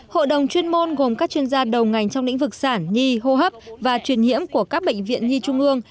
hội đồng chuyên môn gồm các chuyên gia đầu ngành trong lĩnh vực sản nhi hô hấp và truyền nhiễm của các bệnh viện nhi trung ương